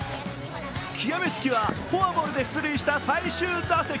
極め付きはフォアボールで出塁した最終打席。